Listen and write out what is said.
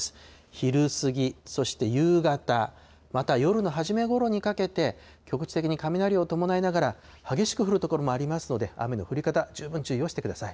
昼過ぎ、そして夕方、また夜に初めごろにかけて、局地的に雷を伴いながら、激しく降る所もありますので、雨の降り方、十分注意をしてください。